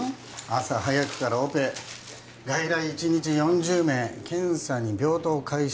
朝早くからオペ外来１日４０名検査に病棟回診